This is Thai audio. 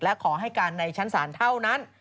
และขอให้การในชั้นศาลเท่านั้น